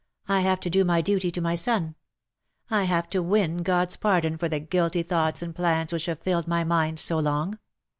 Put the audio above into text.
I have to do my duty to my son. I have to win God^s pardon for the guilty thoughts and plans which have filled my mind so long.